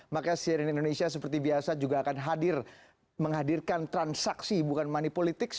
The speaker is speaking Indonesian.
maka cnn indonesia seperti biasa juga akan hadir menghadirkan transaksi bukan money politics